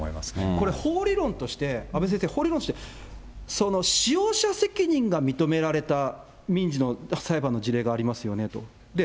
これ、法理論として、阿部先生、法理論として、使用者責任が認められた民事の裁判の事例がありますよねと。